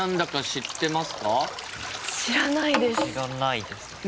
知らないですね。